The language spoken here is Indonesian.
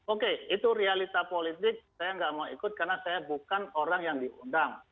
oke itu realita politik saya nggak mau ikut karena saya bukan orang yang diundang